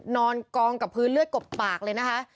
นอนกองกับพื้นเลือดกบปากเลยนะคะ